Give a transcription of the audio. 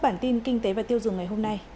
bản tin kinh tế và tiêu dùng ngày hôm nay